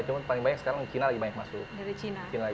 cuma paling banyak sekarang cina lagi banyak masuk